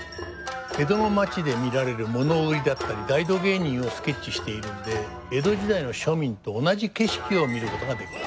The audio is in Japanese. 江戸の町で見られる物売りだったり大道芸人をスケッチしているので江戸時代の庶民と同じ景色を見ることができます。